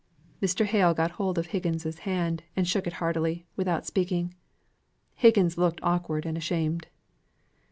Mr. Hale got hold of Higgins's hand and shook it heartily, without speaking. Higgins looked awkward and ashamed.